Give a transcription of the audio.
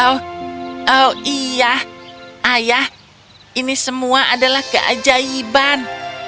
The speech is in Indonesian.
oh iya ayah ini semua adalah keajaiban